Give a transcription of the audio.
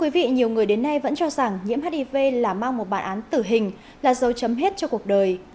vì nhiều người đến nay vẫn cho rằng nhiễm hiv là mang một bản án tử hình là dấu chấm hết cho cuộc đời